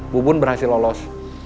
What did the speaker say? bubun berhasil lolos